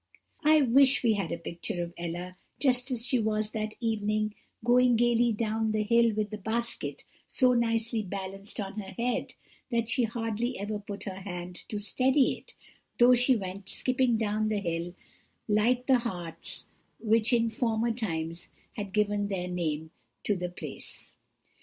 "I wish we had a picture of Ella, just as she was that evening, going gaily down the hill with the basket so nicely balanced on her head, that she hardly ever put her hand to steady it, though she went skipping down the hill like the harts which in former times had given their name to the place.